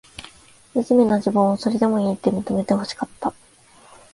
みじめな自分を、それでもいいって、認めてほしかった。